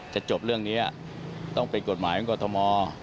จะจบเรื่องนี้ต้องเป็นกฎหมายของกรทม